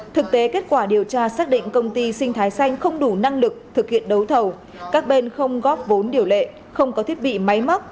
thực tế kết quả điều tra xác định công ty sinh thái xanh không đủ năng lực thực hiện đấu thầu các bên không góp vốn điều lệ không có thiết bị máy móc